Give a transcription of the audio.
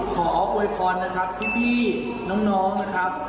ขออวยพรนะครับพี่น้องนะครับ